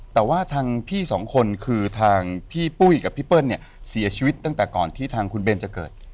แต่ว่าทางพี่สองคนคือทางพี่ปุ้ยกับพี่เปิ้ลเนี่ยเสียชีวิตตั้งแต่ก่อนที่ทางคุณเบนจะเกิด